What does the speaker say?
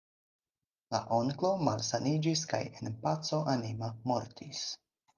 La onklo malsaniĝis kaj en paco anima mortis.